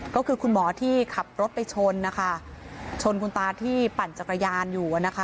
ก็คือคุณหมอที่ขับรถไปชนนะคะชนคุณตาที่ปั่นจักรยานอยู่นะคะ